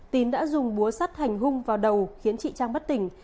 tín đã dùng búa sắt hành hung vào đầu khiến chị trang bất tỉnh